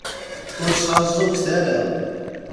Ur sεuẓẓuget ara.